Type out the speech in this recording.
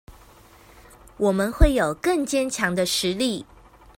我們會有更堅強的實力